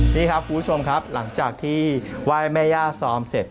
นี่ครับคุณผู้ชมครับหลังจากที่ไหว้แม่ย่าซอมเสร็จ